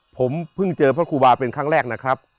ผมเพิ่งเจอพระครูบาเป็นครั้งแรกนะครับ